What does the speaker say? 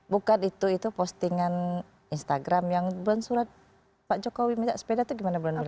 bukan itu itu postingan instagram yang bulan surat pak jokowi minta sepeda itu gimana bu nana